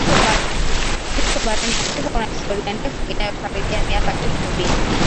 Ukristo barani Afrika una historia ndefu inayokaribia miaka elfu mbili